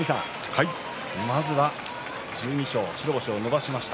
まずは白星を伸ばしました。